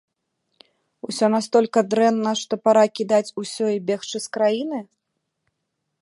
Усё настолькі дрэнна, што пара кідаць усё і бегчы з краіны?